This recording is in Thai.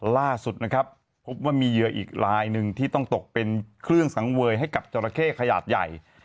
ล่าสุดนะครับพบว่ามีเหยื่ออีกลายหนึ่งที่ต้องตกเป็นเครื่องสังเวยให้กับจราเข้ขนาดใหญ่